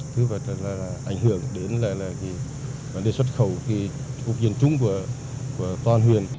thứ vật là ảnh hưởng đến vấn đề xuất khẩu vụ kiện chung của toàn huyện